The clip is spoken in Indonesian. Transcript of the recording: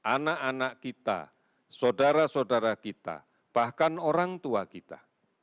anak anak kita saudara saudara kita bahkan orang tua kita